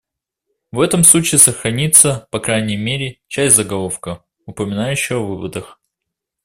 В этом случае сохранится, по крайней мере, часть заголовка, упоминающая о выводах.